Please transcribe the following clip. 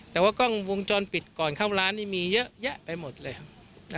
แต่ว่ากล้องวงจรปิดก่อนเข้าร้านนี่มีเยอะแยะไปหมดเลยครับ